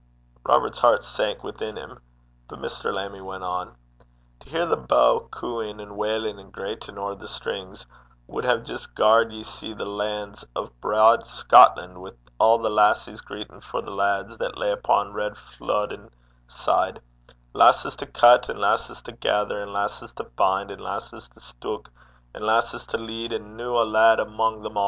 Robert's heart sank within him; but Mr. Lammie went on: 'To hear the bow croudin' (cooing), and wailin', an' greitin' ower the strings, wad hae jist garred ye see the lands o' braid Scotlan' wi' a' the lasses greitin' for the lads that lay upo' reid Flodden side; lasses to cut, and lasses to gether, and lasses to bin', and lasses to stook, and lasses to lead, and no a lad amo' them a'.